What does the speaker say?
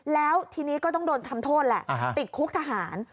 แล้วทีนี้ก็ต้องโดนทำโทษแหละติดคุกทหาร